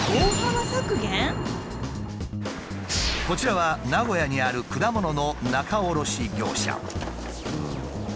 こちらは名古屋にある果物の仲卸業者。